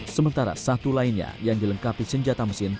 sementara satu lainnya yang dilengkapi senjata mesin